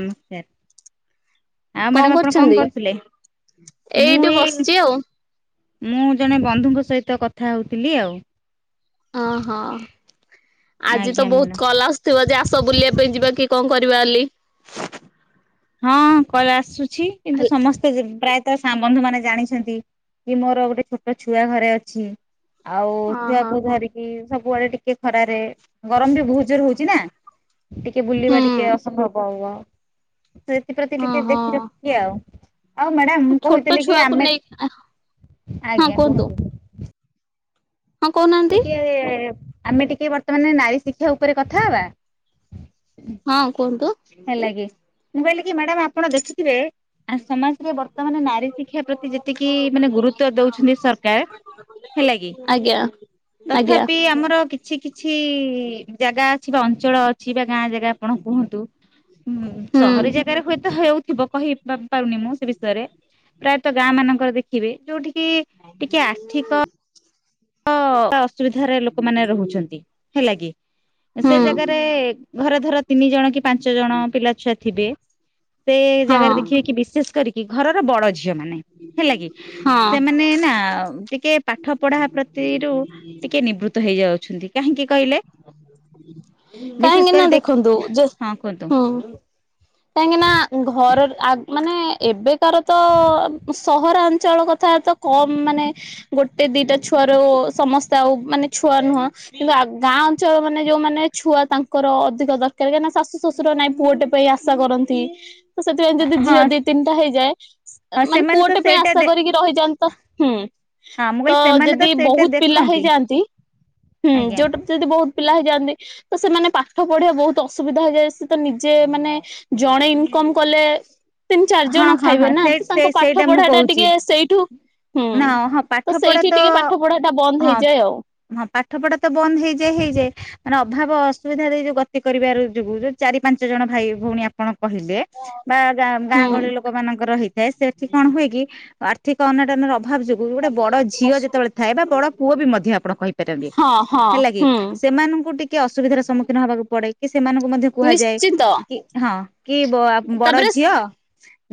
ନମସ୍କାର। ଆଉ ମ୍ୟାଡାମ ଆପଣ କଣ କରୁଥିଲେ? ମୁଁ ଏଇଠି ଏଇ ବସିଛି ଆଉ। ମୁଁ ଜଣେ ବନ୍ଧୁଙ୍କ ସହିତ କଥା ହଉଥିଲି ଆଉ। ଓହଁ, ଆଜି ଆଜ୍ଞା ତ ମ୍ୟାଡ଼ାମ ବହୁତ କଲ ଆସୁଥିବ ଯେ ଆସ ବୁଲିବା ପାଇଁ ଯିବା କି କଣ କରିବା ବୋଲି? ହଁ କଲ ଆସୁଛି କିନ୍ତୁ ସମସ୍ତେ ଯି ପ୍ରାୟ ତ ସା ବନ୍ଧୁ ମାନେ ଜାଣିଛନ୍ତି କି ମୋର ଗୋଟେ ଛୋଟ ଛୁଆ ଘରେ ଅଛି। ଆଉ ଓହୋ ଛୁଆକୁ ଧରିକି ସବୁଆଡେ ଟିକେ ଖରାରେ ଗରମ ବି ବହୁତ ଜୋର ହଉଛି ନା। ଟିକେ ବୁଲିବା ହୁଁ ଟିକେ ଅସମ୍ଭବ ହବ ଆଉ ସେଥିପ୍ରତି ଟିକେ ଓହୋ। ଦେଖି ରଖି ଆଉ। ହଉ ମ୍ୟାଡାମ ମୁଁ ଛୋଟ କହୁଥିଲି କି ଛୁଆକୁ ଆମେ ନେଇ ହଁ ଆଜ୍ଞା କୁହନ୍ତୁ କହନ୍ତୁ? ହଁ କହୁନାହାନ୍ତି ଟିକେ ଆମେ ଟିକେ ବର୍ତ୍ତମାନ ନାରୀ ଶିକ୍ଷା ଉପରେ କଥା ହବା। ହଁ କୁହନ୍ତୁ? ହେଲାକି, ମୁଁ କହିଲି ମ୍ୟାଡାମ ଆପଣ ଦେଖିଥିବେ ଆ ସମାଜ ରେ ବର୍ତ୍ତମାନ ନାରୀ ଶିକ୍ଷା ପ୍ରତି ଯେତିକି ମାନେ ଗୁରୁତ୍ୱ ଦଉଛନ୍ତି ସରକାର ହେଲାକି ଆଜ୍ଞା ଆଜ୍ଞା ତଥାପି ଆମର କି କିଛି କିଛି ଜାଗା ଅଛିବା ଅଞ୍ଚଳ ଅଛି ବା ଗାଁ ଜାଗା ଆପଣ କୁହନ୍ତୁ। ହୁଁ ସହରୀ ଜାଗାରେ ହୁଏତ ହେଉଥିବ କହିବା ନିମୁଁ ସେବିଷୟରେ ପ୍ରାୟତଃ ଗାଁ ମାନଙ୍କର ଦେଖିବି ଯୋଉଠକିି ଟିକେ ଆର୍ଥିକ ହଁ ଅସୁବିଧାରେ ଲୋକମାନେ ରହୁଚନ୍ତି ହେଲାକିି ହୁଁ। ସେଜାଗାରେ ଘରେ ଧର ତିନି ଜଣକି ପାଞ୍ଚ ଜଣ ପିଲାଛୁଆ ଥିବେ ସେ ହଁ ଜାଗାରେ ଦେଖିବେ କିି ବିଶେଷ କରିକି ଘରର ବଡ଼ ଝିଅ ମାନ ହେଲାକି ହଁ ସେମାନେନା ଟିକେ ପାଠ ପଢା ପ୍ରତି ସ୍ ର ଟିକେ ନିବୃତ୍ତ ହେଇଯାଉଛନ୍ତି। କାହିଁକି କହିଲେ କାହିଁକି ନା ବିଶେଷକରି ଦେଖ ଦେଖନ୍ତୁ ହଁ କୁହନ୍ତୁ? କାହିଁକିନା ଘର ଆ ମାନେ ଏବେ କାରତ ସହରାଞ୍ଚଳ କଥାତ କମ୍ ମାନେ ଗୋଟେ ଦିଟା ଛୁଆର ସମସ୍ତେ ଆଉ ମାନେ ଛୁଆ ନୁହଁ କିନ୍ତୁ ଗାଁ ଅଞ୍ଚଳ ମାନେ ଯୋଉ ମାନେ ଛୁଆ ତାଙ୍କର ଅଧିକ ଦରକାର କାଁି ନା ଶାଶୁ ଶଶୁର ନାଇଁ ପୁଅଟେ ପାଇଁ ଆ ଆଶା କରନ୍ତି ତ ସେଥିପାଇଁ ଯଦି ହଁ ଝିଅ ଦି ତିନିଟା ହେଇଯାଏ ହଁ ମାନେ ସେମାନେ ତ ପୁଅଟେ ପାଇଁ ସେଇଟା ଆଶା ଦେ କରିକି ରହିଯାଆନ୍ତିତ ହୁଁ ହଁ ମୁଁ ତ କହିଲି ସେମାନେ ତ ଯଦି ସେଇଟା ବହୁତ୍ ପିଲା ଦେଖନ୍ତି ହେଇଯାଆନ୍ ତି ଆଜ୍ଞା। ଯଦି ବହୁତ୍ ପିଲା ହେଇଯାଆନ୍ତି ତସେମାନେ ପାଠ ପଢିବା ବହୁତ୍ ଅସୁବିଧା ହେଇଯାଏ ସେତ ନିଜେ ମାନେ ଜଣେ ଇନକମ୍ କଲେ ତିନି ଚାରି ହଁ ଜଣ ହଁ ହଁ ଖାଇବେନା ତ ସେ ତାଙ୍କ ପାଠ ସେଇଟା ମୁଁ ପଢାଟା ଟିକେ କହୁଛି ସେଇଠୁ ହୁଁ ନା ହଁ ତ ପାଠ ପଢା ସେଇଠି ତ ଟିକେ ପାଠ ପଢାଟା ବନ୍ଦ ହଁ ହେଇଯାଏ ଆଉ। ହଁ ପାଠ ପଢାତ ବନ୍ଦ ହେଇଯାଏ ହେଇଯାଏ ମାନେ ଅଭାବ ଅସୁବିଧା ଦେଇ ଯୋଉ ଗତି କରିବାର ଯୋଗୁ ଯୋଉ ଚାରି ପାଞ୍ଚ ଜଣ ଭାଇ ଭଉଣୀ ଆପଣ କହିଲେ ବା ହୁଁ ଗହଳି ଲୋକମାନଙ୍କର ହେଇଥାଏ ସେଠି କଣ ହୁଏକି ଆର୍ଥିକ ଅନଟ ଭାବ ଯୋଗୁ ଗୋଟେ ବଡ଼ ଝିଅ ଯେତେବେଳେ ଥାଏ ବା ବଡ଼ ପୁଅବି ମଧ୍ୟ ଆପଣ କହିପାରନ୍ତି। ହଁ ହଁ ହେଲାକିି ହୁଁ ସେମାନଙ୍କୁ ଟିକେ ଅସୁବିଧାର ସମ୍ମୁଖୀନ ହବାକୁ ପଡ଼େ କି ସେମାନଙ୍କୁ ମଧ୍ୟ କୁହାଯାଏ ନିଶ୍ଚିତ କି ହଁ କି ବ ବଡ଼ ତାପରେ ଝିଅ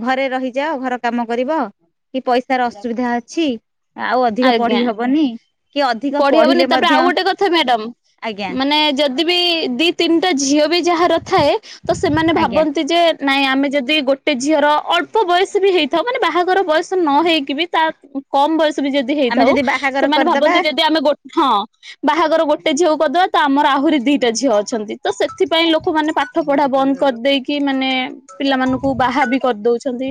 ଘରେ ରହିଯାଅ ଘର କାମ କରିବ କିପଇସାର ଅସୁବିଧା ଅଛି ଅଧିକା ଆଜ୍ଞା। ପଢି ହବନି କି ଅଧିକ ପଢି ପଢିଲେ ହବନି ତାପରେ ମଧ୍ୟ ଆଉ ଗୋଟେ କଥା ମ୍ୟାଡ଼ାମ୍ ଆଜ୍ଞା ମାନେ ଯଦିବିି ଦି ତିନିଟା ଝିଅବି ଯାହାର ଥାଏ ତ ସେମାନେ ଆଜ୍ଞା ଭାବନ୍ତି ଯେ ନାଇଁ ଆମେ ଯଦି ଗୋଟେ ଝିଅର ଅଳ୍ପ ବୟସବି ହେଇଥାଉ ମାନେ ବାହାଘର ବୟସ ନ ହେଇକିବି ତା କମ ବୟସବି ଯଦି ଆମେ ହେଇଥାଉ ବାହାଘର ସେମାନେ କରିଦବା ଭାବନ୍ତି ଯଦି ଆମେ ଗୋ ହଁ। ବାହାଘର ଗୋଟେ ଝିଅକୁ କରିଦବା ତଆମର ଆହୁରି ଦିଟା ଝିଅ ଅଛନ୍ତି ତସେଥିପାଇଁ ଲୋକ ମାନେ ପା ପାଠ ପଢା ବନ୍ଦ କରିଦେଇକି ମାନେ ପିଲାମାନାନଙ୍କୁ ବାହାବି କରିଦଉଛନ୍ତି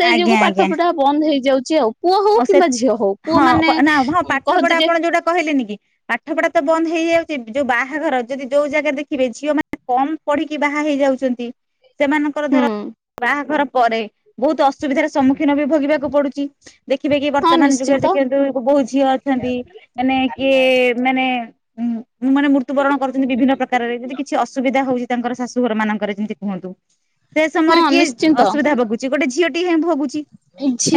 ସେଇ ଆଜ୍ଞା ଯୋଗୁ ପାଠ ଆଜ୍ଞା ପଢା ବନ୍ଦ ହେଇଯାଉଚି ଆଉ। ପୁଅ ହଉ ଆଉ ସେ କିମ୍ବା ଝିଅ ହଉ ପୁଅ ହଁ ମାନେ ନା ହଁ ପାଠ କହନ୍ତି ପଢା ଯେ ଆପଣ ଯୋଉଟା କହିଲେନିକି ପାଠ ପଢାତ ବନ୍ଦ ହେଇଯାଉଚି ଯୋଉ ବାହାଘର ଯଦି ଯୋଉ ଜାଗା ଦେଖିବେ ଝିଅ ମାନେ କମ୍ ପଢିକି ବାହା ହେଇଯାଉଚନ୍ତି ସେମାନଙ୍କର ଧର ହୁଁ ବାହାଘର ପରେ ବହୁତ୍ ଅସୁବିଧାର ସମ୍ମୁଖୀନବି ଭୋଗିବାକୁ ପଡ଼ୁଚି ଦେଖିବେକି ହଁ ବର୍ତ୍ତମାନ ଯୁଗରେ ନିଶ୍ଚିନ୍ତ ଦେଖନ୍ତୁ ବୋଉ ଝିଅ ଅଛନ୍ତି ମାନେ କିଏ ମାନେ ମାନେ ମୃତ୍ୟୁବରଣ କରୁଚନ୍ତି ବିଭିନ୍ନ ପ୍ରକାରରେ ଯଦି କିଛି ଅସୁବିଧା ହଉଚି ତାଙ୍କର ଶାଶୁଘର ମାନଙ୍କର ଯେମିତି କୁହନ୍ତୁ। ସେ ହଁ ସମୟରେ କିଏ ନିଶ୍ଚିନ୍ତ ଅସୁବିଧା ଭୋଗୁଛି ଗୋଟେ ଝିଅଟି ହିଁ ଭୋଗୁଚୀ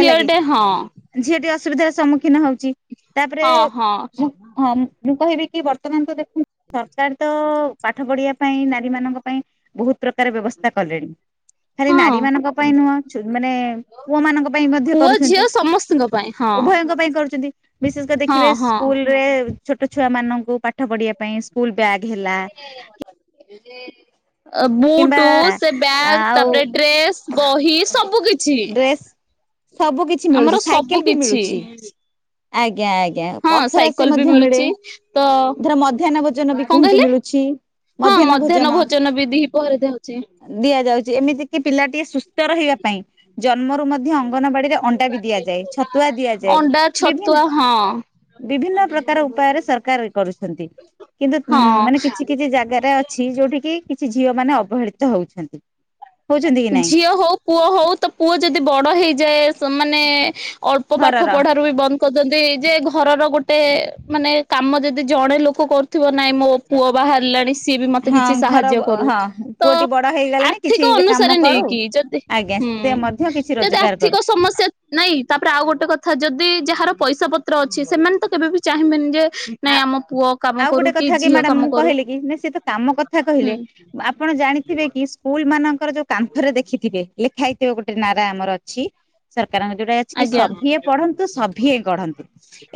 ହେଲାକି। ହଁ। ଝିଅଟି ଅସୁବିଧାରେ ସମ୍ମୁଖୀନ ହଉଚି ତାପରେ ହଁ ହଁ ମୁଁ। ହଁ ମୁଁ ମୁଁ କହିବିକି ବର୍ତ୍ତମାନ ତ ଦେଖୁନ୍ ସରକାର। ତ ପାଠ ପଢିବା ପାଇଁ ନାରୀମାନଙ୍କ ପାଇଁ ବହୁତ ପ୍ରକାର ବ୍ୟବସ୍ଥା କଲେଣି। ଖାଲି ହଁ ନାରୀମାନଙ୍କ ପାଇଁ ନୁହଁ ଛୁ ମାନେ ପୁଅମାନଙ୍କ ପାଇଁ ମଧ୍ୟ ପୁଅ ଝିଅ କରୁଛନ୍ତି। ସମସ୍ତଙ୍କ ପାଇଁ ହଁ ଉଭୟଙ୍କ ପାଇଁ କରୁଛନ୍ତି ବିଶେଷକରି ହଁ ଦେଖିବେ ହଁ ସ୍କୁଲରେ। ଛୋଟ ଛୁଆମାନଙ୍କୁ ପାଠ ପଢିବାପାଇଁ ସ୍କୁଲ ବ୍ୟାଗ ହେଲା। ଏରେ। କିମ୍ବା ବୁଟୁ ସେ ବ୍ୟାଗ୍ ଆଉ ତାପରେ ଡ୍ରେସ ବହି ସବୁକିଛି। ପେସ୍ ସବୁ କିଛି ମିଳୁଛି ସବୁ ସାଇକେଲ ବି କିଛି ମିଳୁଛି। ଆଜ୍ଞା ଆଜ୍ଞା ହଁ ପର୍ଥ ସାଇକେଲ ରାଶି ବି ମଧ୍ୟ ମିଳେ। ମିଳୁଛି ତ। ଧର ମଧ୍ୟାହ୍ନ ଭୋଜନ ବି କଣ କୁହନ୍ତୁ କହିଲେ ମିଳୁଛି। ହଁ ମଧ୍ୟାହ୍ନ ଭୋଜନ ବି ଦିପହରେ ଦଉଛି। ଦିଆଯାଉଛି ଏମିତିକିି ପିଲାଟିଏ ସୁ ସ୍ଥ ରହିବା ପାଇଁ ଜନ୍ମରୁ ମଧ୍ୟ ଅଙ୍ଗନବାଡିରେ ଅଣ୍ଡା ବି ଦିଆଯାଏ ଛତୁଆ ଦିଆ ଅଣ୍ଡା ଛତୁଆ ହଁ। ବିଭିନ୍ନ ପ୍ରକାର ଉପାୟରେ ସରକାର ଇଏ କରୁଛନ୍ତି କିନ୍ତୁ ଉଁ ହଁ ମାନେ କିଛି। କିଛି ଜାଗାରେ ଅଛି ଯୋଉଠିକି କିଛି ଝିଅମାନେ ଅବହେଳିତ ହଉଛନ୍ତି। ହଉଛନ୍ତି କି ନାଇଁ ଝିଅ ହଉ ପୁଅ ହଉ ତ ପୁଅ ଯଦି ବଡ ହେଇଯାଏ। ସମାନେ ଅଳ୍ପ ପାଠ ଘରର ପଢା। ବି ବନ୍ଦ କରିଦନ୍ତି ଯେ ଘରର ଗୋଟେ ମାନେ କାମ ଯଦି ଜଣେ ଲୋକ କରୁ ଥିବ ନାଇଁ ମୋ ପୁଅ ବାହାରିଲାଣି ସିଏ ବି ମତେ ହଁ କିଛି ଘର ସାହାଯ୍ୟ କରୁ ହଁ ତ ପୁଅଟି ବଡ ହେଇଗଲାଣି ଆର୍ଥି କ କିଛି ଅନୁସାରେ କାମ କରୁ ନେଇକି ଯଦି ଆଜ୍ଞା ହୁଁ ସେ ମଧ୍ୟ କିଛି ଯଦି ରୋଜଗାର ଆର୍ଥିକ କରୁ ସମସ୍ୟା। ନାଇଁ ତାପରେ ଆଉ ଗୋଟେ କଥା ଯଦି ଯାହାର ପଇସାପତ୍ର ଅଛି ସେମାନେ ତ କେବେ ବି ଚାହିଁବେନି ଯେ। ନାଇଁ ଆଉ ଆମ ପୁଅ କାମ ଆଉ କରୁ ଗୋଟେ କଥା କି ଝିଅ ମ୍ୟାଡାମ କାମ ମୁଁ କରୁ କହିଲି କି ନା ସିଏ ତ କାମ କଥା କହିଲେ। ହୁଁ ଆପଣ ଜାଣିଥିବେ କି। ସ୍କୁଲମାନଙ୍କର ଯୋଉ କାନ୍ଥରେ ଦେଖିଥିବେ ଲେଖା ହେଇଥିବେ ଗୋଟେ ନାରା ଆମର ଅଛି। ସରକାରଙ୍କ ଯୋଉଟା ଅଛି କି ଆଜ୍ଞା। ସଭିଏ ପଢନ୍ତୁ ସଭିଏ ଗଢନ୍ତୁ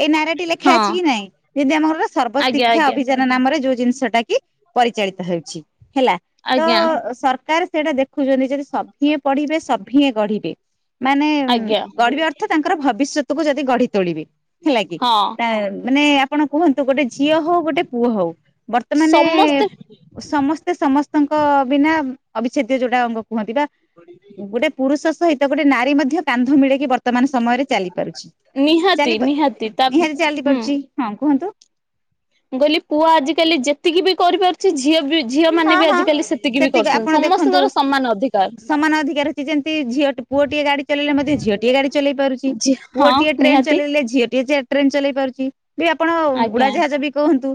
ଏଇ ନାରା ଟି ଲେଖା ଅଛି ହଁ। କି ନାଇଁ? ଯଦି ଆମ ଘରର ଆଜ୍ଞା ସର୍ବଶିକ୍ଷା ଆଜ୍ଞା ଅଭିଯାନ ନାମରେ ଯୋଉ ଜିନିଷଟା କି ପରିଚାଳିତ ହେଉଛି ହେଲା। ତ ଆଜ୍ଞା ସରକାର ସେଇଟା ଦେଖୁଛନ୍ତି ଯଦି ସଭିିଏଁ ପଢିବେ ସଭିଏଁ ଗଢିବେ। ମାନେ ଆଜ୍ଞା ଗଢିବ ଅର୍ଥ ତାଙ୍କର ଭବିଷ୍ୟତକୁୁ ଯଦି ଗଢି ତୋଳିବେ। ହେଲାକି ହଁ ତା ମାନେ ଆପଣ କୁହନ୍ତୁ ଗୋଟେ ଝିଅ ହଉ ଗୋଟେ ପୁଅ ହଉ ବର୍ତ୍ତମାନେ। ସମସ୍ତେ ସମସ୍ତେ ସମସ୍ତଙ୍କ ବିନା ଅବିଚ୍ଛେଦ୍ୟ ଯୋଉଟା ଅଙ୍ଗ କୁହନ୍ତି ବା ଗୋଟେ। ପୁରୁଷ ସହିତ ଗୋଟେ ନାରୀ ମଧ୍ୟ କାନ୍ଧ ମିଳେଇକି ବ ର୍ତ୍ତମାନ ସମୟରେ ଚାଲି ପାରୁଛି ନିହାତି ଚାଲିପା ନିହାତି ତା ହୁଁ ନିହାତି ଚାଲି ପାରୁଛି ହଁ କୁହନ୍ତୁ। ମୁଁ କହିଲି ପୁଅ ଆଜିକାଲି ଯେତିକି ବି କରିପାରୁଛି ଝିଅ ବି। ଝିଅମାନେ ହଁ ବି ହଁ ଆଜିିକାଲି ସେତିକି ବି ଆପଣ କରୁଛନ୍ତି ଦେଖନ୍ତୁ ସମସ୍ତଙ୍କର ସମାନ ଅଧିକାର। ସମାନ ଅଧିକାର ଅଛି ଯେମିତି ଝିଅ ପୁଅଟିଏ ଗାଡ଼ି ଚଲେଇଲେ ମଧ୍ୟ ଝିଅଟିଏ ଗାଡ଼ି ଚଲେଇ ପାରୁଛି ଝି ହଁ ପୁଅଟିଏ ଟ୍ରେନ୍ ନିହାତି ଚଲେଇଲେ ଝିଅଟିଏ ଟ୍ରେନ ଚଲେଇ ପାରୁଛି ବି ଆପଣ ଆଜ୍ଞା ଉଡାଜାହାଜ ବି କୁହନ୍ତୁ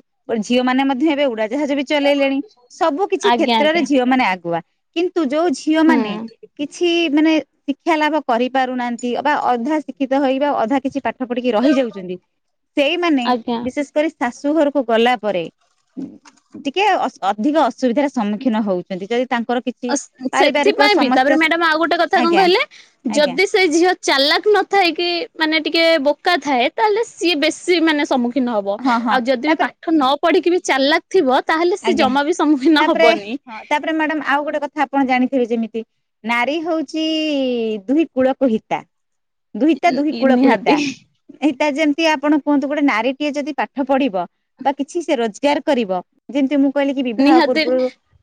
ଝିଅମାନେ ମଧ୍ୟ ଏବେ ଉଡାଜାହାଜ ବି ଚ ଲେଇଲେଣି ସବୁ କିଛି ଆଜ୍ଞା କ୍ଷେତ୍ରରେ ଆଜ୍ଞା ଝିଅମାନେ ଆଗୁଆ କିନ୍ତୁ ଯୋଉ ହୁଁ ଝିଅମାନେ କି ଛି ମାନେ ଶିକ୍ଷା ଲାଭ କରିପାରୁନାହାନ୍ତି ବା ଅଧା ଶିକ୍ଷିତ ହେଇ ବା ଅଧା କିଛି ପା ଠ ପଢ଼ିକି ରହିଯାଉଛନ୍ତି ସେଇମାନେ ଆଜ୍ଞା ବିଶେଷ କରି। ଶାଶୁଘରୁକୁ ଗଲାପରେ ଟିକେ ଅସ ଅର। ଅଧିକ ଅସୁବିଧାର ସମ୍ମୁଖୀନ ହଉଛନ୍ତି। ଯଦି ତାଙ୍କର କି ସେଥିପାଇଁ ବି। ତା ପରେ ମ୍ୟାଡାମ୍ ଆଉ ଗୋଟେ କଥା କଣ ଆଜ୍ଞା କହିଲେ, ଆଜ୍ଞା ଯଦି ସେ ଝିଅ ଚାଲାକ ନଥାଏ କି, ମାନେ ଟିକେ ବୋକା ଥାଏ। ତା ହେଲେ ସିଏ ବେଶି ମାନେ ସମ୍ମୁ ଖୀନ ହବ। ହଁ ହଁ ଆଉ ଯଦି ବି ତାପରେ ପାଠ ନ ପଢିକି ବି ଚାଲାକ୍ ଥିବ। ତା ହେଲେ ସେ ଜମା ବି ସମ୍ମୁଖୀନ ହବନି। ତା ପରେ ମ୍ୟାଡ଼ମ୍, ଆଉ ଗୋଟେ କଥା ଆପଣ ଜାଣିଥିବେ, ଯେମିତି ନାରୀ ହଉଛି ଦୁଇ କୁଳକୁ ହିତା। ଦୁହିତା ଦୁହି କୁଳକୁ ହିତା। ନିହାତି ଏଇଟା ଯେମିତି ଆପଣ କୁହନ୍ତୁ, ଗୋଟେ ନାରୀଟିଏ ଯଦି ପାଠ ପଢିବ ବା କିଛି ସେ ରୋଜଗାର କରିବ, ଯେମିତି ମୁଁ କହିଲି, କି ବିବାହ ନିହାତି ପୂର୍ବରୁ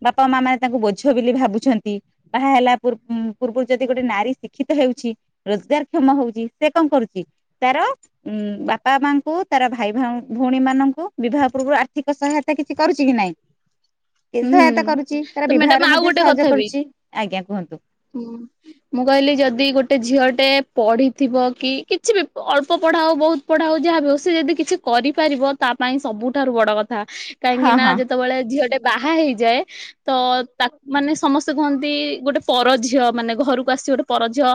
ବାପା ମା ମାନେ ତାଙ୍କୁ ବୋଝ ବୋଲି ଭାବୁଛନ୍ତି। ବାହା ହେଲା ପୂର୍-ପୂର୍ବରୁ ଯଦି ଗୋଟେ ନାରୀ ଶିକ୍ଷିତ ହେଉଛି ରୋଜଗାର କ୍ଷମ ହଉଛି, ସେ କଣ କରୁଛି, ତାର ଉଁ ବାପା ମାଙ୍କୁ, ତାର ଭାଇ ଭାଉ-ଭଉଣୀମାନଙ୍କୁ ବିବାହ ପୂର୍ବରୁ ଆର୍ଥିକ ସହାୟତା କି ସେ କରୁଛି କି ନାଇଁ, ଏ ହୁଁ ସହାୟତା କରୁଚି। ତ ତାର ମ୍ୟାଡାମ ବିବାହରେ ଆଉ ମଧ୍ୟ ଗୋଟେ ସହଯୋଗ କଥା ବି କରୁଛି। ଆଜ୍ଞା କୁହନ୍ତୁ। ହୁଁ। ମୁଁ କହିଲି, ଯଦି ଗୋଟେ ଝିଅଟେ ପଢିଥିବ କି କିଛି ବି ଅଳ୍ପ ପଢା ହଉ, ବହୁତ ପଢା ହଉ, ଯାହା ବି ସେ ଯଦି କିଛି କରିପାରିବ, ତା ପାଇଁ ସବୁଠାରୁ ବଡ କଥା। କାହିଁକି ହଁ ନା ହଁ ଯେତେବେଳେ ଝିଅଟେ ବାହା ହେଇଯାଏ ତ, ତାକୁ ମାନେ ସମସ୍ତେ କୁହନ୍ତି ଗୋଟେ ପର ଝିଅ, ମାନେ ଘରକୁ ଆସିବ ଗୋଟେ ପରଝିଅ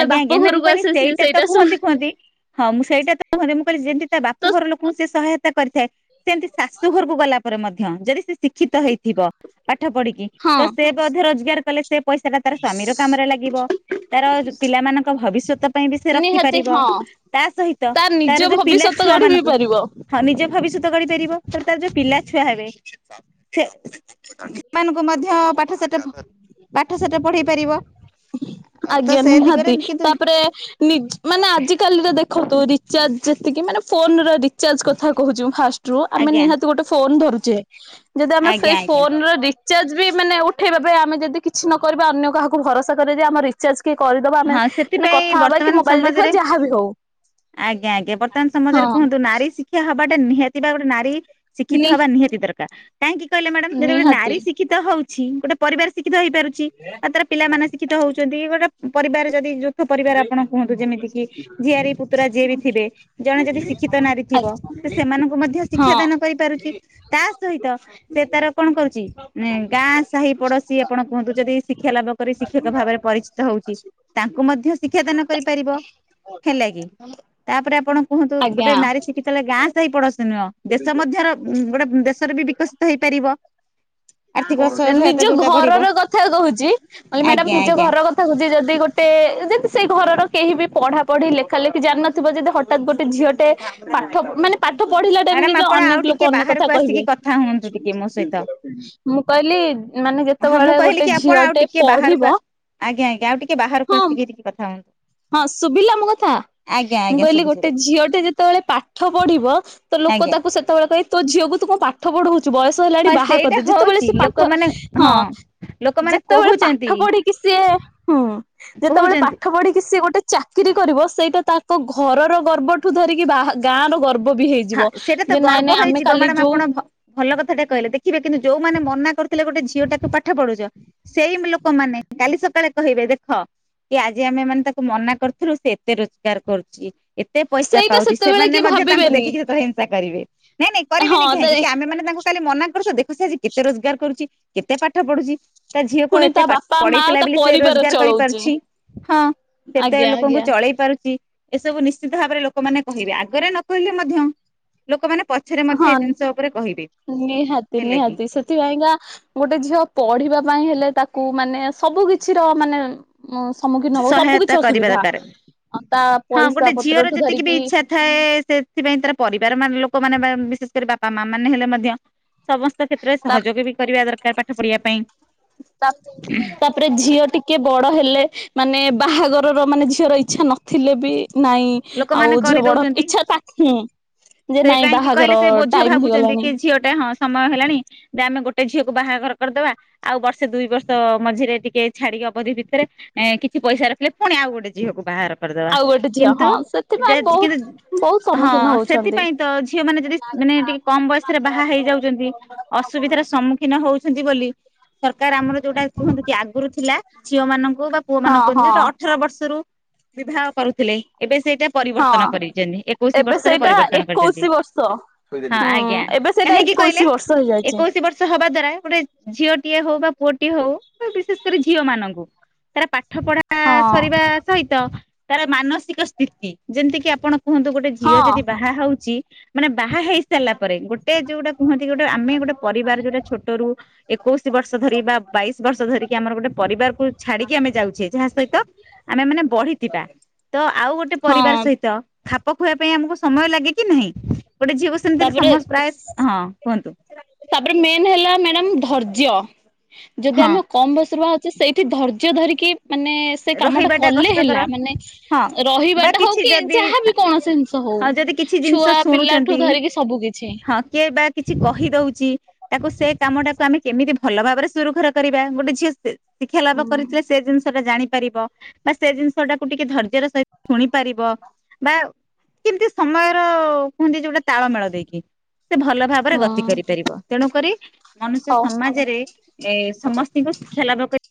ଆଜ୍ଞା ଆଜ୍ଞା ନା ମୁଁ କହିଲି ସେଇଟା ତ ଶୁଣ କୁହନ୍ତି କୁହନ୍ତି ହଁ, ମୁଁ ସେଇଟା ତ [unintelligible] ମୁଁ କଇଲି, ଯେମତି ତା ବାପା ତ ଘର ଲୋକଙ୍କୁ ସେ ସହାୟତା କରିଥାଏ, ସେମିତି ଶାଶୁ ଘରକୁ ଗଲା ଶାଶୁ ଘରେ ମଧ୍ୟ, ଯଦି ସେ ଶିକ୍ଷିତ ହେଇଥିବ ପାଠ ପଢିକି, ତ ହଁ ସେ ଅଧେ ରୋଜଗାର କଲେ। ସେ ପଇସାଟା ତାର ସ୍ଵାମୀର କାମରେ ଲାଗିବ। ତାର ପିଲାମାନଙ୍କ ଭବିଷ୍ୟତ ପାଇଁ ବି ସେ ନିହାତି ରଖିପାରିବ। ହଁ ତା ସହିତ ତା ନିଜ ତାର ଯୋଉ ପିଲା ଭବିଷ୍ୟତ ଗଢି ବି ଛୁଆମାନଙ୍କୁ ପାରିବ। ହଁ, ନିଜ ଭବିଷ୍ୟତ ଗଢିପାରିବ। ତା ରେ ତାର ଯୋଉ ପିଲା ଛୁଆ ହେବେ ଫି ସେମାନଙ୍କୁ ମଧ୍ୟ ପାଠ ସାଠ ପଢେଇ ପାରିବ। ଆଉ ତ ଆଜ୍ଞା ସେ ଦିଗରେ ନିହାତି। କିନ୍ତୁ ତା ପରେ ମାନେ ଆଜିକାଲିରେ ଦେଖନ୍ତୁ, ରିଚାର୍ଜ ଯେତିକି ମାନେ ଫୋନର ରିଚାର୍ଜ କଥା କହୁଛି, ମୁଁ ଫାଷ୍ଟ ରୁ ଆମେ ଆଜ୍ଞା ନିହାତି ଗୋଟେ ଫୋନ ଧରୁଛେ। ଯଦି ଆମେ ଆଜ୍ଞା ସେଇ ଆଜ୍ଞା। ଫୋନର ରି ରିଚାର୍ଜବି ମାନେ ଉଠେଇବା ପାଇଁ ଆମେ ଯଦି କିଛି ନ କରିବା, ଅନ୍ୟ କାହାକୁ ଭରସା କରିବା, ଯେ ଆମ ରି ଚାର୍ଜ କିଏ କରିଦବ? ଆମେ ହଁ ମାନେ ସେଥିପାଇଁ କଥା ହବା କି ବର୍ତ୍ତମାନ ମୋବାଇଲ ଦେଖିବା ସମାଜରେ କି ଯାହାବି ହଉ। ଆଜ୍ଞା ଆଜ୍ଞା। ବର୍ତ୍ତମାନ ସମାଜରେ ହଁ କୁହନ୍ତୁ ନାରୀ ଶି ଶିକ୍ଷା ହବାଟା ନିହାତି ବା ଗୋଟେ ନାରୀ ଶିକ୍ଷିତ ନି ହବା ନିହାତି ଦରକାର। କାହିଁକି କହିଲ ମ୍ୟାଡ଼ାମ୍, ଯେତବଳେ ଗୋଟେ ନାରୀ ନିହାତି ଶି ଶିକ୍ଷିତ ହଉଛି। ଗୋଟେ ପରିବାର ଶିକ୍ଷିତ ହେଇପାରୁଛି। ଆଉ ତାର ପିଲାମାନେ ଶିକ୍ଷିତ ହଉଚନ୍ତି, ଗୋଟେ ପରିବାର ଯଦି ଯୌ ଥ ପରିବାର ଆପଣ କୁହନ୍ତୁ, ଯେମିତି କିି ଝିଆରୀ ପୁତୁରା ଯିଏ ବି ଥିବେ, ଜଣେ ଯଦି ଶିକ୍ଷିତ ନାରୀ ଥିବ। ତ ସେମାନଙ୍କୁ ମଧ୍ୟ ଶିକ୍ଷା ହଁ ଦାନ କରିପାରୁଛି, ତା ସହିତ ସେ ତାର କଣ କରୁଛି? ମାନେ ଗାଁ ସାହି ପଡୋଶୀ ଆପଣ କୁହନ୍ତୁ, ଯଦି ଶିକ୍ଷା ଲାଭ କରି ଶିକ୍ଷିତ ଭାବରେ ପରିଚିତ ହଉଛି, ତାଙ୍କୁ ମଧ୍ୟ ଶିକ୍ଷାଦାନ କରିପାରିବ। ହେଲାକି, ତା ପରେ ଆପଣ କୁହନ୍ତୁ ଗୋଟେ ଆଜ୍ଞା। ନାରୀ ଶିକ୍ଷିତ ହେଲେ ଗାଁ ସେଇ ପଡୋଶୀ ନୁହଁ ଦେଶ ମଧ୍ୟର ଗୋଟେ ଦେଶରେ ବି ବିକଶିତ ହେଇପାରିବ। ଆର୍ଥିକ [unintelligible] ସହାୟତା ନିଜ ଯୋଉଟା ବଢିବ ଘରର କଥା କହୁଛି କହିଲି ମ୍ୟାଡାମ ଆଜ୍ଞା ନିଜ ଆଜ୍ଞା ଘରର କ ଥା କହୁଛି ଯଦି ଗୋଟେ ଯଦି ସେଇ ଘର କେହି ବି ପଢା ପଢି ଲେଖା ଲେଖି ଜାଣିିନଥିବ ଯଦି ହ ଠାତ ଗୋଟେ ଝିଅଟେ ପାଠ ମାନେ ପାଠ ପଢିଲା ମ୍ୟାଡାମ ଟାଇମରେ [unintelligible] ଆପଣ ଅନେକ ଆଉ ଟିକେ ଲୋକ ଅନେକ କଥା ବାହାରକୁ କହିବେ। ଆସିକି କଥା ହୁଅନ୍ତୁ ଟିକେ ମୋ ସହିତ ମୁଁ କହିଲି ମାନେ ହଁ ମୁଁ ଯେତେବେଳେ କହିଲି ଗୋଟେ କି ଆପଣ ଝିଅ ଆଉ ଟେ ଟିକେ ବାହାରକୁ ପଢିବ ଆଜ୍ଞା ଆଜ୍ଞା ଆଉ ଟିକେ ବାହାରକୁ ହଁ ଆସିକି ଟିକେ କଥା ହୁଅନ୍ତୁ। ହଁ ଶୁଭିଲା ମୋ କଥା ଆଜ୍ଞା ମୁଁ ଆଜ୍ଞା କହିଲି ଶୁଭୁଚି ଗୋଟେ ଏବେ ଝିଅଟେ ଯେତେବେଳେ ପାଠ ପଢିବ ତ ଲୋକ ଆଜ୍ଞା ତାକୁ ସେତେବେଳେ କହି ତୋ ଝିଅକୁ ତୁ କ ପାଠ [unintelligible] ବୟସ ହେଲାଣି ହଁ ବାହା ସେଇଟା କରିଦେ ଯେତେବେଳେ ହଉଛି ସେ ପାଠ ଲୋକମାନେ ହଁ ଲୋକମାନେ ଯେତେବେଳେ କହୁଛନ୍ତି ପାଠ ପଢିକି କି ସିଏ ହୁଁ ଯେତେବେଳେ କହୁଛନ୍ତି ପାଠ ପଢିକି କି ସେ ଗୋଟେ ଚାକିରି କରିବ ସେଇଟା ତାଙ୍କ ଘରର ଗର୍ବ ଠୁ ଧରିକି ବା ଗାଁ ର ଗର୍ବ ବି ହେଇ ହଁ ଯିବ ସେଇଟା ତ ଯେ ନାଇଁ ଗର୍ବ ନାଇଁ ଆମେ ହେଇଯିବ କାଲି ମ୍ୟାଡାମ ଯୋଉ ଆପଣ ଭଲ କଥାଟା କହିଲେ ଦେଖିବେ କିନ୍ତୁ ଯୋଉଁମାନେ ମନା କରୁଥିଲେ ଗୋଟେ ଝିଅ ଟାକୁ ପାଠ ପଢୁଛ ସେଇ ଲୋକମାନେ କାଲି ସକାଳେ କହିବେ ଦେଖ କି ଆଜି ଆମେ ମାନେ ତାକୁ ମନା କରିୁଥିଲୁ ସେ ଏତେ ରୋଜଗାର କରୁୁ ଛି ଏତେ ପଇସା ସେଇଟା ପାଉଛି ସେତେବେଳେ ସେମାନେ କିଏ ମଧ୍ୟ ତାଙ୍କୁ ଦେଖ ଭାବିବେନି ହିଂସା କରିବେ ନାଇଁ ନାଇଁ ହଁ କରିବେନି ଦେ କାହିଁକି କି ଆମେ ମାନେ ତାଙ୍କୁ ତାହେଲେ ମନା କରୁ ତ ଦେଖ ସେଜି କେତ ରୋଜଗାର କରୁଛି କେତେ ପାଠ ପଢୁଛି ତା ଝିଅକୁ ପୁଣି ଏତେ ତା ପାଠ ବାପା ମା ପଢେଇଥିଲା ତା ବୋଲି ସିଏ ପରିବାର ରୋଜଗାର ଚଳଉଚି। କରିପାରୁଛି। ହଁ। ସେତେ ଆଜ୍ଞା ଲୋକଙ୍କୁ ଆଜ୍ଞା। ଚଳେଇ ପାରୁଛି। ଏସବୁ ନିଶ୍ଚିତ ଭାବରେ ଲୋକମାନେ କହିବେ ଆଗରେ ନ କହିଲେ ମଧ୍ୟ ଲୋକମାନେ ପଛରେ ମଧ୍ୟ ହଁ ଏ ଜିନିଷ ଉପରେ କହିବେ ନିହାତି ହେଲା କି? ନିହାତି ସେଥିପାଇଁକା ଗୋଟେ ଝିଅ ପଢିବା ପାଇଁ ହେଲେ ତାକୁ ମାନେ ସବୁ କିଛିର ମାନେ ଉ ସମ୍ମୁଖୀନ ହବ ସବୁ ସହାୟତା କିଛି କରିବା ଅସୁବିଧା ଦରକାର। ତା ହଁ ପଇସା ଗୋଟେ ଝିଅର ପତ୍ରଠୁ ଯେତିକି ବି ଧରିକି ଇଚ୍ଛା ଥାଏ ସେଥିପାଇଁ ତାର ପରିବାର ମାନ ଲୋକମାନେ ବିଶେଷ କରି ବାପା ମା ମାନେ ହେଲେ ମଧ୍ୟ ସମସ୍ତ କ୍ଷେତ୍ରରେ ତା ସହଯୋଗ ବି କରିବା ଦରକାର ପାଠ ପଢ଼ିବା ପାଇଁ। ତା [unintelligible] ତାପରେ ଝିଅ ଟିକେ ବଡ଼ ହେଲେ ମାନେ ବାହାଘରର ମାନେ ଝିଅର ଇଚ୍ଛା ନଥିଲେ ବି ନାଇଁ ଆଉ ଲୋକମାନେ ଝିଅ ବଡ କରିଦଉଛନ୍ତି। ଇଛା ତାଁ ଯେ ନାଇଁ ବାହାଘର ଟାଇମ ହେଇଗଲାଣି ଝିଅ ଟେ ହଁ ସମୟ ହେଲାଣି ଯେ ଆମେ ଗୋଟେ ଝିଅକୁ ବାହାଘର କରିଦବା ଆଉ ବର୍ଷ ସେ ଦୁଇ ବର୍ଷ ମଝିରେ ଟିକେ ଛାଡିକି ଅବଧି ଭିତରେ କିଛି ପଇସା ରଖିଲେ ପୁଣି ଆଉ ଗୋଟେ ଝିଅକୁ ବାହାର କରିଦବା ଆଉ ଗୋଟେ ଝିଅ କିନ୍ତୁ ହଁ ସେଥିପାଇଁ [unintelligible] ବହୁତ କିନ୍ତୁ ବହୁତ ହଁ ସମ୍ମୁଖୀନ ହଉଛନ୍ତି। ସେଥିପାଇଁ ତ ଝିଅ ମାନେ ଯଦି ମାନେ ଟିକେ କମ ବୟସରେ ବାହା ହେଇଯାଉଛନ୍ତି ଅସୁବିଧାର ସମ୍ମୁଖୀନ ହଉଛନ୍ତି ବୋଲି ସରକାର ଆମର ଯୋଉଟା କୁହନ୍ତୁ କି ଆଗରୁ ଥିଲା ଝିଅ ମାନଙ୍କୁ ବା ପୁଅ ମାନ ହଁ କୁହନ୍ତି ହଁ ଯୋଉଟା ଅଠର ବର୍ଷରୁ ବିବାହ କରୁଥିଲେ ଏବେ ସେଇଟା ହଁ ପରିବର୍ତ୍ତନ କରିଛନ୍ତି ଏକୋଇଶି ଏବେ ବର୍ଷରେ ସେଇଟା ପରିବର୍ତ୍ତନ କରିଛନ୍ତି ଏକୋଇଶି ବର୍ଷ ହୁଁ ହଁ ଆଜ୍ଞା। ଏବେ ସେଇଟା କାହିଁକି କହିଲେ ଏକୋଇଶି ବର୍ଷ ହେଇଯାଇଛି ଏକୋଇଶି ବର୍ଷ ହବା ଦ୍ଵାରା ଗୋଟେ ଝିଅଟିଏ ହଉ ବା ପୁଅଟିଏ ହଉ ବିଶେଷ କରି ଝିଅ ମାନଙ୍କୁ ତାରା ପାଠ ପଢା ହଁ ସରିବା ସହିତ ତାର ମାନସିକ ସ୍ଥିତି ଯେମିତି କିି ଆପଣ କୁହନ୍ତୁ ଗୋଟେ ହଁ ଝିଅ ଯଦି ବାହା ହଉଛି ମାନେ ବାହା ହେଇ ସାରିଲା ପରେ ଗୋଟେ ଯୋଉଟା କୁହନ୍ତି ଗୋଟେ ଆମେ ଗୋଟେ ପରିବାର ଯୋଉଟା ଛୋଟରୁ ଏକୋଇଶି ବର୍ଷ ଧରି ବା ବାଇଶି ବର୍ଷ ଧରିକି ଆମର ଗୋଟେ ପରିବାରକୁ ଛାଡିକି ଆମେ ଯାଉଛେ ଯାହା ସହିତ ଆମେ ମାନେ ବଢିଥିବା ତ ଆଉ ଗୋଟେ ହଁ ପରିବାର ସହିତ ଖାପ ଖୁଆଇବା ପାଇଁ ଆମକୁ ସମୟ ଲାଗେ କି ନାହିଁ ଗୋଟେ ଝିଅ ତାପରେ ତାପରେ ମେନ୍ ହେଲା ମ୍ୟାଡାମ ଧର୍ଯ୍ୟ। ଯଦି ଆମେ କମ୍ ବୟସରୁ ବାହା ହଉଛେ ସେଇଠି ଧୈର୍ଯ୍ୟ ଧରିକି ମାନେ ସେ କାମଟା ରହିବାଟା କଲେ କଷ୍ଟକର ହେଲା ମାନେ ହଁ ବା ରହିବାଟା ହଉ କିଛି କି ଯଦି ଯାହାବି କୌଣସି ହଉ ହଁ ଯଦି କିଛି ଜିନିଷ ଛୁଆ ପିଲା ଠୁ ଶୁଣୁଛନ୍ତି ଧରିକି ସବୁ କିଛି ହଁ କେ ବା କିଛି କହି ଦଉଛି ତାକୁ ସେ କାମ ଟାକୁ ଆମେ କେମିତି ଭଲ ଭାବରେ ସୁରୁଖୁରୁ କରିବା ଗୋଟେ ଝିଅ ସେ ଶିକ୍ଷା ଲାଭ ହୁଁ। କରିଥିଲେ ସେ ଜିନିଷଟା ଜାଣି ପାରିବ ବା ସେ ଜିନିଷ ଟାକୁ ଟିକେ ଧର୍ଯ୍ୟର ସହିତ ଶୁଣି ପାରିବ ବା ଯେମିତି ସମୟର କୁହନ୍ତି ଯୋଉଟା ତାଳମେଳ ଦେଇକି ସେ ଭଲ ଭାବରେ ହଁ ଗତି କରିପାରିବ ତେଣୁକରି ମନୁଷ୍ୟ ହଉ। ସମାଜରେ ଏ ସମସ୍ତିଙ୍କ ଶିକ୍ଷା ଲାଭ କରି